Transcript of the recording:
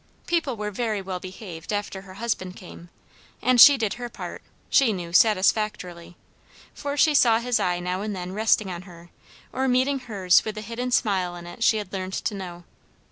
People were very well behaved after her husband came, and she did her part, she knew, satisfactorily; for she saw his eye now and then resting on her or meeting hers with the hidden smile in it she had learned to know.